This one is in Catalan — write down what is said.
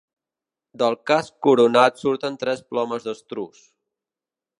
Del casc coronat surten tres plomes d'estruç.